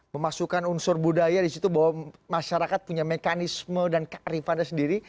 memasukkan unsur budaya di situ bahwa masyarakat punya mekanisme dan kearifannya sendiri